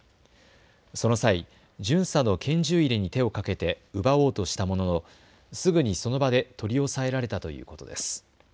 その際、巡査の拳銃入れに手をかけて奪おうとしたもののすぐにその場で取り押さえられたということです。